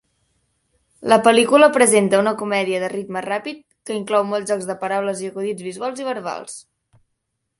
La pel·lícula presenta una comèdia de ritme ràpid que inclou molts jocs de paraules i acudits visuals i verbals.